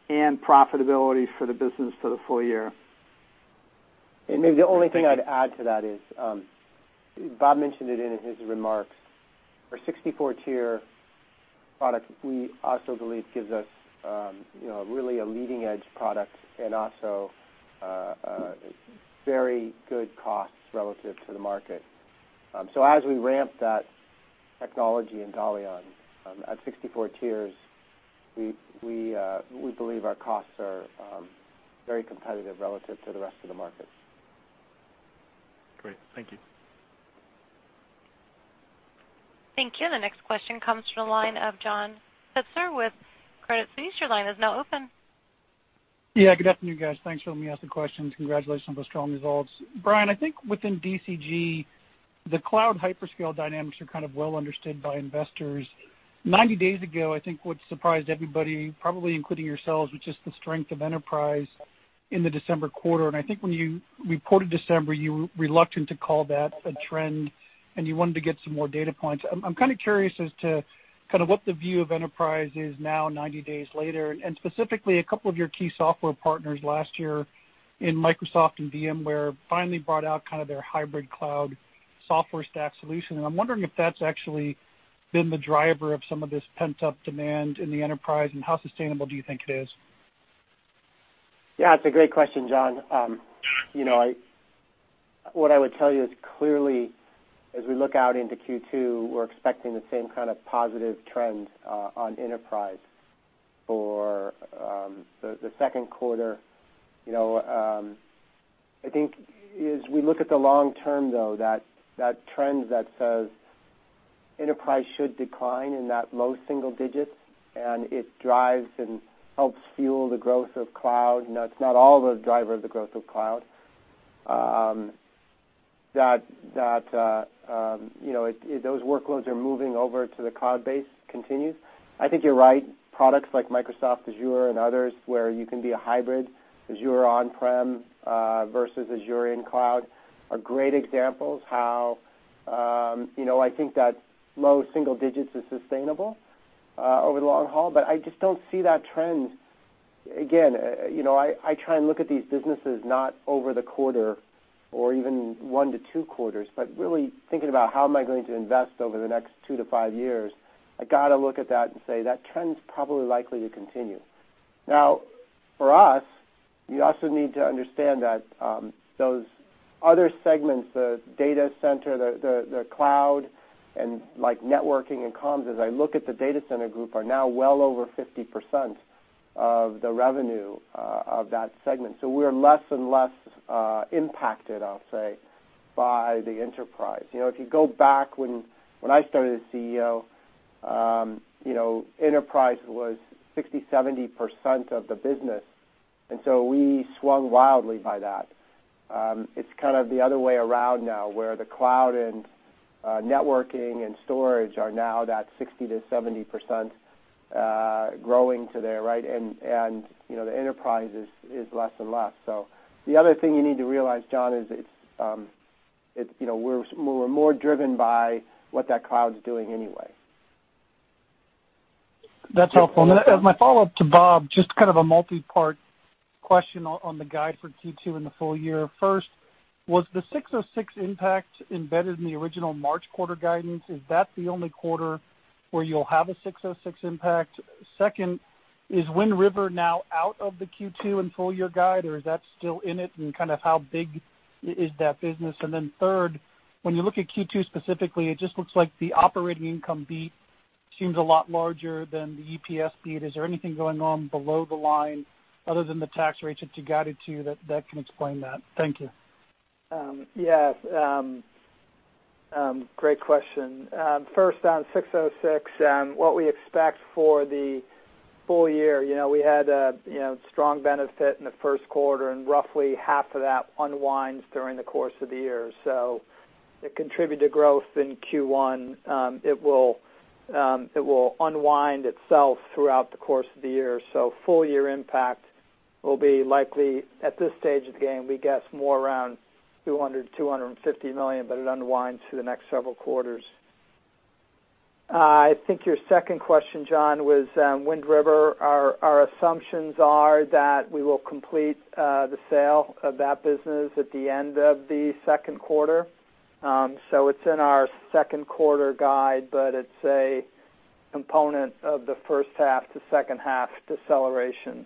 and profitability for the business for the full year. Maybe the only thing I'd add to that is, Bob mentioned it in his remarks, our 64-tier product we also believe gives us really a leading-edge product and also very good costs relative to the market. As we ramp that technology in Dalian at 64 tiers, we believe our costs are very competitive relative to the rest of the market. Great. Thank you. Thank you. The next question comes from the line of John Pitzer with Credit Suisse. Your line is now open. Good afternoon, guys. Thanks for letting me ask the questions. Congratulations on those strong results. Brian, I think within DCG, the cloud hyperscale dynamics are kind of well understood by investors. 90 days ago, I think what surprised everybody, probably including yourselves, was just the strength of enterprise in the December quarter, and I think when you reported December, you were reluctant to call that a trend, and you wanted to get some more data points. I'm kind of curious as to what the view of enterprise is now 90 days later, and specifically a couple of your key software partners last year in Microsoft and VMware finally brought out kind of their hybrid cloud software stack solution, and I'm wondering if that's actually been the driver of some of this pent-up demand in the enterprise, and how sustainable do you think it is? Yeah, it's a great question, John. What I would tell you is clearly as we look out into Q2, we're expecting the same kind of positive trends on enterprise. For the second quarter, I think as we look at the long term though, that trend that says enterprise should decline in that low single digits, and it drives and helps fuel the growth of cloud. It's not all the driver of the growth of cloud. Those workloads are moving over to the cloud base continues. I think you're right, products like Microsoft Azure and others, where you can be a hybrid, Azure on-prem versus Azure in cloud, are great examples how I think that low single digits is sustainable, over the long haul. I just don't see that trend. Again, I try and look at these businesses not over the quarter or even one to two quarters, but really thinking about how am I going to invest over the next two to five years. I got to look at that and say, "That trend's probably likely to continue." Now, for us, you also need to understand that those other segments, the data center, the cloud, and networking and comms, as I look at the Data Center Group, are now well over 50% of the revenue of that segment. We're less and less impacted, I'll say, by the enterprise. If you go back when I started as CEO, enterprise was 60%-70% of the business. We swung wildly by that. It's kind of the other way around now, where the cloud and networking and storage are now that 60%-70% growing to there, right? The enterprise is less and less. The other thing you need to realize, John, is we're more driven by what that cloud's doing anyway. That's helpful. My follow-up to Bob, just kind of a multi-part question on the guide for Q2 and the full year. First, was the 606 impact embedded in the original March quarter guidance? Is that the only quarter where you'll have a 606 impact? Second, is Wind River now out of the Q2 and full year guide, or is that still in it, and kind of how big is that business? Third, when you look at Q2 specifically, it just looks like the operating income beat seems a lot larger than the EPS beat. Is there anything going on below the line other than the tax rates that you guided to that can explain that? Thank you. Yes. Great question. First on ASC 606, what we expect for the full year, we had a strong benefit in the first quarter, and roughly half of that unwinds during the course of the year. It contributed to growth in Q1. It will unwind itself throughout the course of the year. Full year impact will be likely, at this stage of the game, we guess more around $200 million-$250 million, but it unwinds through the next several quarters. I think your second question, John, was Wind River. Our assumptions are that we will complete the sale of that business at the end of the second quarter. It's in our second quarter guide, but it's a component of the first half to second half deceleration.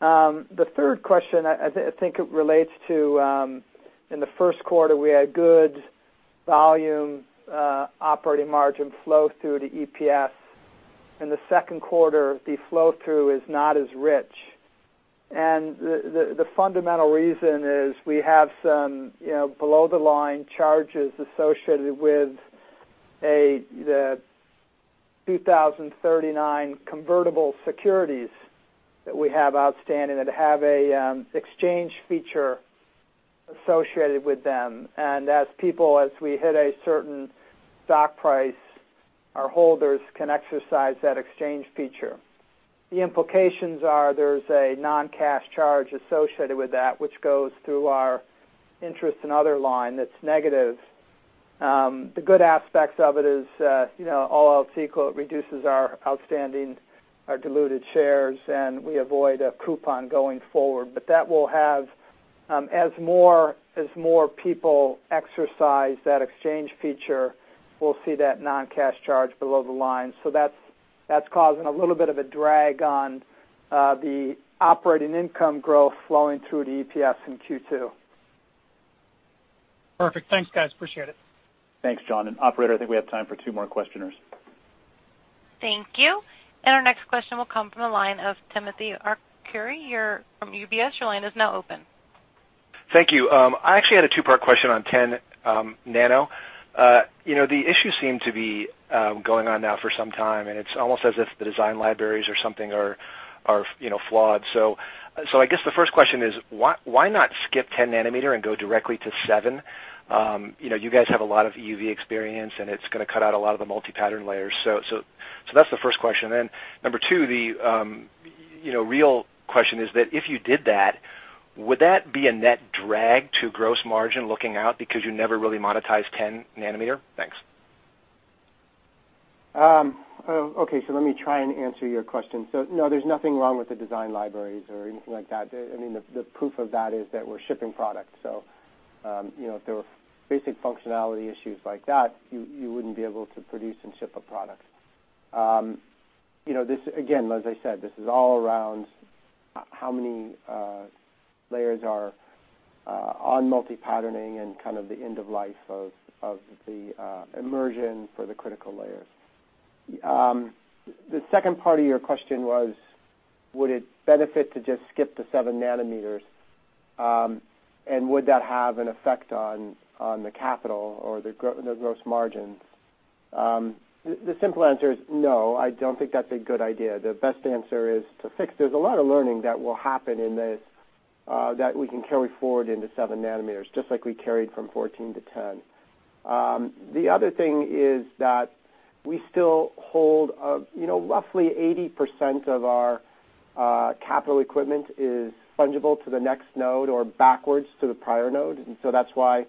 The third question, I think it relates to, in the first quarter, we had good volume operating margin flow through to EPS. In the second quarter, the flow-through is not as rich. The fundamental reason is we have some below-the-line charges associated with the 2039 convertible securities that we have outstanding that have an exchange feature associated with them. As people, as we hit a certain stock price, our holders can exercise that exchange feature. The implications are there's a non-cash charge associated with that, which goes through our interest and other line that's negative. The good aspects of it is, all else equal, it reduces our outstanding, our diluted shares, and we avoid a coupon going forward. That will have, as more people exercise that exchange feature, we'll see that non-cash charge below the line. That's causing a little bit of a drag on the operating income growth flowing through to EPS in Q2. Perfect. Thanks, guys. Appreciate it. Thanks, John. Operator, I think we have time for two more questioners. Thank you. Our next question will come from the line of Timothy Arcuri from UBS. Your line is now open. Thank you. I actually had a two-part question on 10 nm. The issues seem to be going on now for some time, it's almost as if the design libraries or something are flawed. I guess the first question is, why not skip 10 nanometer and go directly to seven? You guys have a lot of EUV experience, it's going to cut out a lot of the multi-pattern layers. That's the first question. Number two, the real question is that if you did that, would that be a net drag to gross margin looking out because you never really monetize 10 nanometer? Thanks. Let me try and answer your question. No, there's nothing wrong with the design libraries or anything like that. The proof of that is that we're shipping product. If there were basic functionality issues like that, you wouldn't be able to produce and ship a product. Again, as I said, this is all around how many layers are on multi-patterning and kind of the end of life of the immersion for the critical layers. The second part of your question was, would it benefit to just skip to seven nanometers, would that have an effect on the capital or the gross margins? The simple answer is no, I don't think that's a good idea. The best answer is to fix. There's a lot of learning that will happen in this, that we can carry forward into seven nanometers, just like we carried from 14 to 10. The other thing is that we still hold roughly 80% of our capital equipment is fungible to the next node or backwards to the prior node. That's why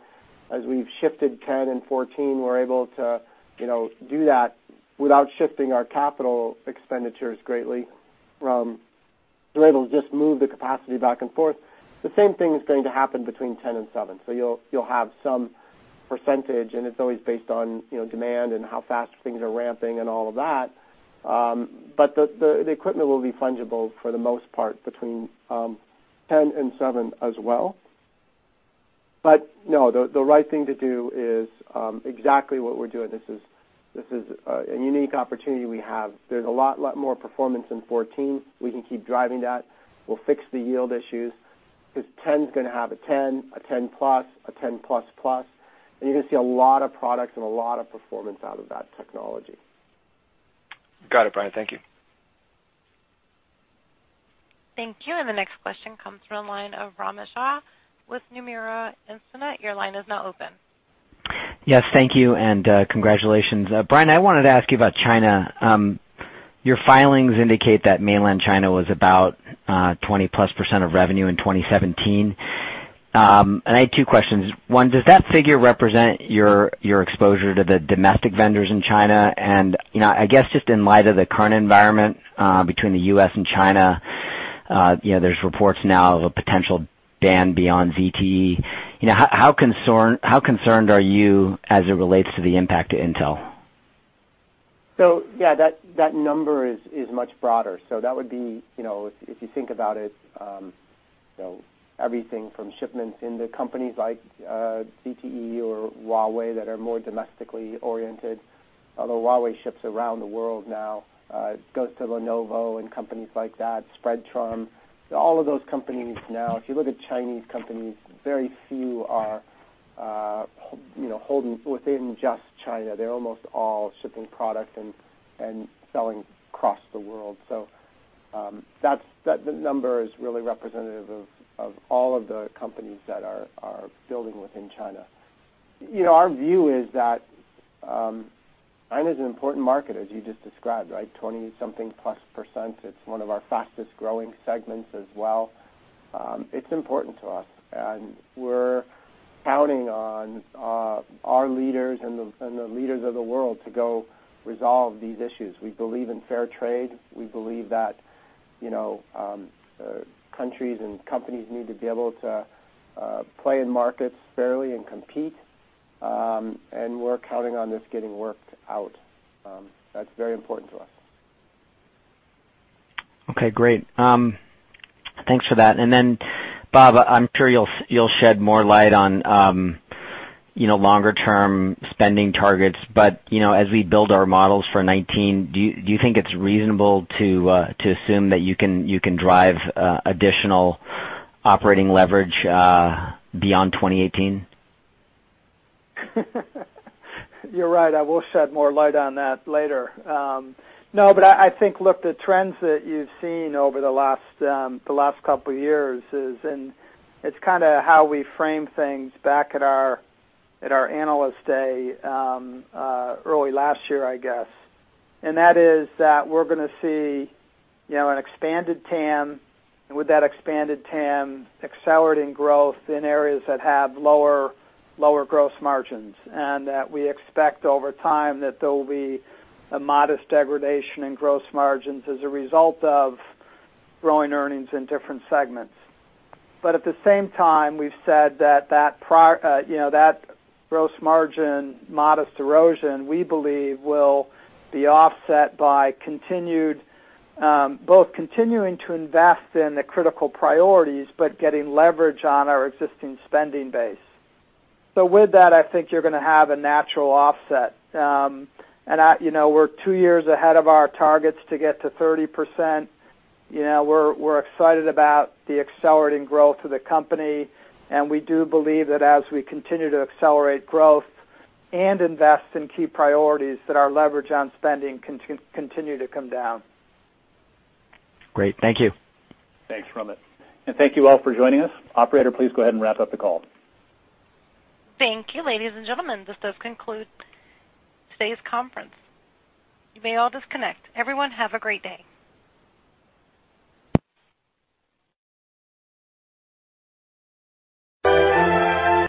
as we've shifted 10 and 14, we're able to do that without shifting our capital expenditures greatly, we're able to just move the capacity back and forth. The same thing is going to happen between 10 and seven. You'll have some percentage, it's always based on demand and how fast things are ramping and all of that. The equipment will be fungible for the most part between 10 and seven as well. No, the right thing to do is exactly what we're doing. This is a unique opportunity we have. There's a lot more performance in 14. We can keep driving that. We'll fix the yield issues because 10's going to have a 10, a 10-plus, a 10-plus-plus, and you're going to see a lot of products and a lot of performance out of that technology. Got it, Brian. Thank you. Thank you. The next question comes from the line of Romit Shah with Nomura Instinet. Your line is now open. Yes, thank you, and congratulations. Brian, I wanted to ask you about China. Your filings indicate that mainland China was about 20-plus% of revenue in 2017. I had two questions. One, does that figure represent your exposure to the domestic vendors in China? I guess just in light of the current environment between the U.S. and China, there's reports now of a potential ban beyond ZTE. How concerned are you as it relates to the impact to Intel? Yeah, that number is much broader. That would be, if you think about it, everything from shipments into companies like ZTE or Huawei that are more domestically oriented. Although Huawei ships around the world now. It goes to Lenovo and companies like that, Spreadtrum. All of those companies now, if you look at Chinese companies, very few are holding within just China. They're almost all shipping product and selling across the world. That number is really representative of all of the companies that are building within China. Our view is that China's an important market, as you just described, right? 20-something-plus %. It's one of our fastest-growing segments as well. It's important to us, and we're counting on our leaders and the leaders of the world to go resolve these issues. We believe in fair trade. We believe that countries and companies need to be able to play in markets fairly and compete, and we're counting on this getting worked out. That's very important to us. Okay, great. Thanks for that. Bob, I'm sure you'll shed more light on longer-term spending targets. As we build our models for 2019, do you think it's reasonable to assume that you can drive additional operating leverage beyond 2018? You're right, I will shed more light on that later. I think, look, the trends that you've seen over the last couple of years is, and it's kind of how we frame things back at our Analyst Day, early last year, I guess. That is that we're going to see an expanded TAM, and with that expanded TAM, accelerating growth in areas that have lower gross margins. That we expect over time that there will be a modest degradation in gross margins as a result of growing earnings in different segments. At the same time, we've said that that gross margin modest erosion, we believe will be offset by both continuing to invest in the critical priorities, but getting leverage on our existing spending base. With that, I think you're going to have a natural offset. We're two years ahead of our targets to get to 30%. We're excited about the accelerating growth of the company, we do believe that as we continue to accelerate growth and invest in key priorities, that our leverage on spending can continue to come down. Great. Thank you. Thanks, Romit. Thank you all for joining us. Operator, please go ahead and wrap up the call. Thank you, ladies and gentlemen. This does conclude today's conference. You may all disconnect. Everyone have a great day.